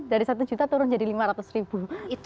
dari satu juta turun jadi lima ratus ribu